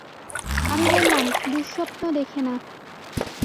আমি বললাম, দুঃস্বপ্ন দেখে না।